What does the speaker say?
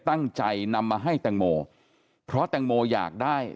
ตั้งใจนำมาให้แตงโมเพราะแตงโมอยากได้